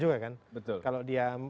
juga kan kalau dia